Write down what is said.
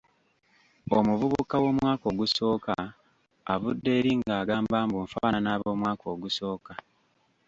Omuvubuka w’omwaka ogusooka avudde eri nga agamba mbu nfaanana ab’omwaka ogusooka!